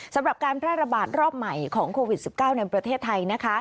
สำหรับการแพร่ระบาดรอบใหม่ของโควิด๑๙ในประเทศไทยนะคะ